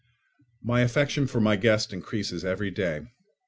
My affection for my guest increases every day.